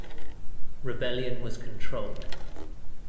Rebellion was controlled.